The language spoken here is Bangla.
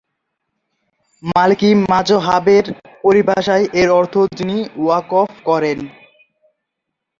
মালিকি মাযহাবের পরিভষায় এর অর্থ যিনি ওয়াকফ করেন।